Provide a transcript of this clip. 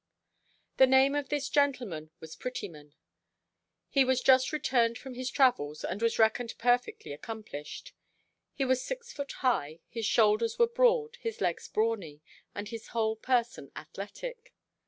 The name of this gentleman was Prettyman. He was just returned from his travels, and was reckoned perfectly accomplished. He was six foot high, his shoulders were broad, his legs brawny, and his whole person athletic.